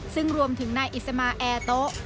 ซึ่งรวมถึงนายอิสมาแอร์โต๊ะ